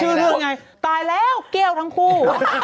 ชื่อแล้วไงตายแล้วเก้วทั้งคู่